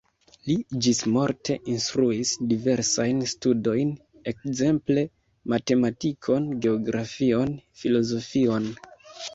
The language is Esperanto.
Li ĝismorte instruis diversajn studojn, ekzemple matematikon, geografion, filozofion.